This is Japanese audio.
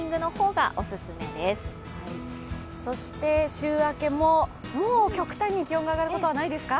週明けも、もう極端に気温が上がることはないですか？